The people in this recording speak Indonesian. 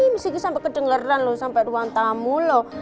mas kiki sampe kedengeran loh sampe ruang tamu loh